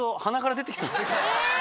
え！